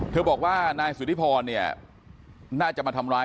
เธอบอกว่านายศุษย์ดีพอร์น่าจะมาทำร้าย